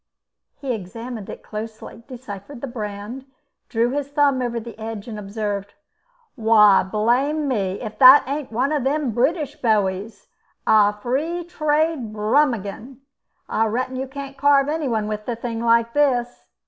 He examined it closely, deciphered the brand, drew his thumb over the edge, and observed: "Why, blame me, if it ain't one of them British bowies a Free trade Brummagen. I reckon you can't carve anyone with a thing like this."